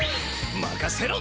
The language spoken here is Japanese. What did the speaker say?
まかせろ！